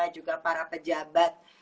juga para pejabat